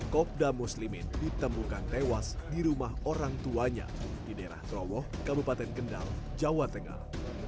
kopda muslimin ditemukan tewas di rumah orang tuanya di daerah trowoh kabupaten kendal jawa tengah